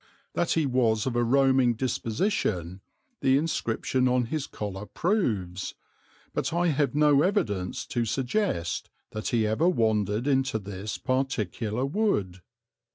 That he was of a roaming disposition the inscription on his collar proves, but I have no evidence to suggest that he ever wandered into this particular wood.